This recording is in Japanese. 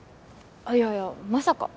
いやいやまさか。